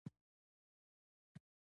مرستې باید د اړتیا پر اساس وشي.